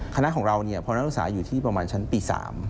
คณะของเราเนี่ยพอนักอุตส่าห์อยู่ที่ปี๓